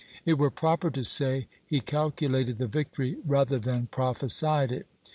It were proper to say, he calculated the victory rather than prophesied it.